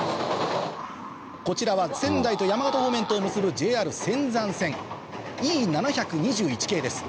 こちらは仙台と山形方面とを結ぶＪＲ仙山線Ｅ７２１系です